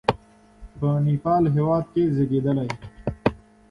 Born in Nepal.